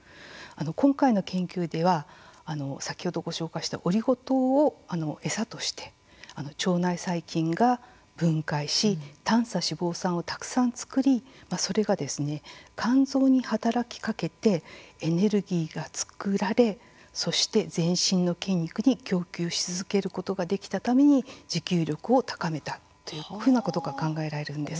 今回の研究では先ほどご紹介したオリゴ糖を餌として腸内細菌が分解し短鎖脂肪酸をたくさん作りそれが肝臓に働きかけてエネルギーが作られそして、全身の筋肉に供給し続けることができたために持久力を高めたというふうなことが考えられるんです。